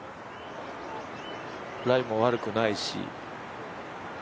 ライも悪くないし。